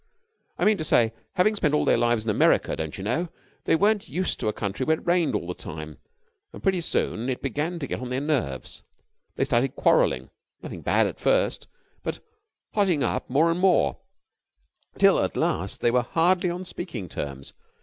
I mean to say, having spent all their lives in America, don't you know, they weren't used to a country where it rained all the time, and pretty soon it began to get on their nerves. They started quarrelling. Nothing bad at first, but hotting up more and more, till at last they were hardly on speaking terms.